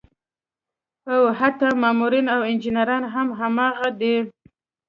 او حتا مامورين او انجينران هم هماغه دي